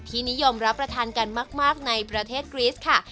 นิยมรับประทานกันมากในประเทศกรีสค่ะ